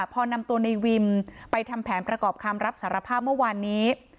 พอนำตัวในวิมไปทำแผนประกอบคำรับสารภาพเมื่อวานนี้